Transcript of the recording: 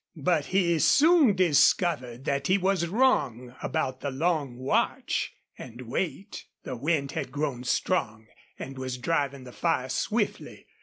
But he soon discovered that he was wrong about the long watch and wait. The wind had grown strong and was driving the fire swiftly.